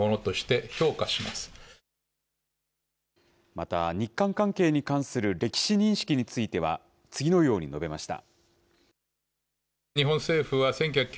また、日韓関係に関する歴史認識については、次のように述べました。